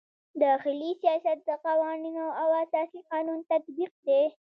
داخلي سیاست د قوانینو او اساسي قانون تطبیق دی.